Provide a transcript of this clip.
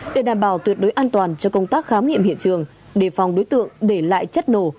để đảm bảo tuyệt đối an toàn cho công tác khám nghiệm hiện trường đề phòng đối tượng để lại chất nổ